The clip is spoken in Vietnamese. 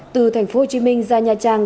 từ thành phố hồ chí minh ra nha trang